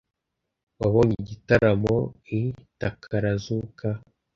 Wabonye igitaramo i Takarazuka?